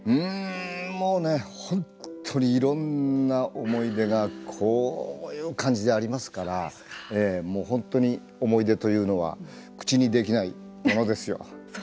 もうね、本当にいろんな思い出がこういう感じでありますから本当に思い出というのは口にできないものですよ。